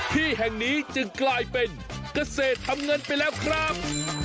ที่แห่งนี้จึงกลายเป็นเกษตรทำเงินไปแล้วครับ